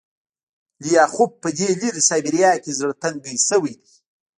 لیاخوف په دې لیرې سایبریا کې زړه تنګی شوی دی